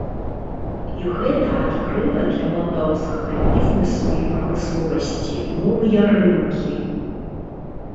І гэта адкрыла для малдаўскага бізнэсу і прамысловасці новыя рынкі.